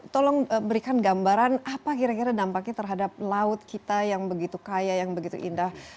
tolong berikan gambaran apa kira kira dampaknya terhadap laut kita yang begitu kaya yang begitu indah